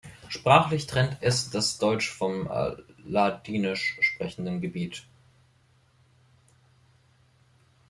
Sprachlich trennt es das deutsch vom ladinisch sprechenden Gebiet.